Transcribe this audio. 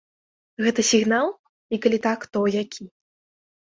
Гэта сігнал і калі так, то які?